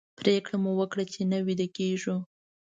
پرېکړه مو وکړه چې نه ویده کېږو.